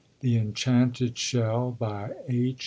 THE ENCHANTED SHELL H.